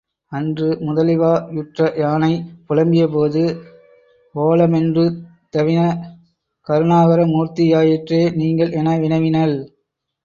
அன்று முதலைவா யுற்றயானை புலம்பிய போது ஒலமென்றுதவின கருணாகர மூர்த்தி யாயிற்றே நீங்கள் என வினவினள்.